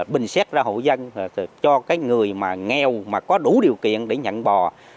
bình xét ra hộ dân cho cái người mà nghèo mà có đủ điều kiện để nhận bò